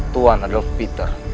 tuan adolf peter